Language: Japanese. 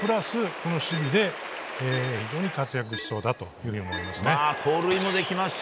この守備で非常に活躍しそうだと思いますね。